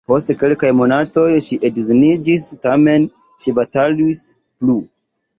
Post kelkaj monatoj ŝi edziniĝis, tamen ŝi batalis plu.